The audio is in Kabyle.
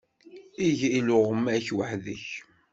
Eg iluɣma-k weḥd-k.